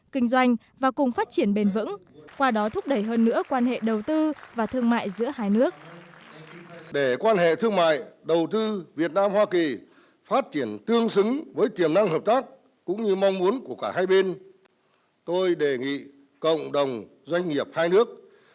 kinh doanh và cùng phát triển bền vững qua đó thúc đẩy hơn nữa quan hệ đầu tư và thương mại giữa hai nước